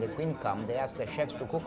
mereka meminta pembakar untuk memasak sesuatu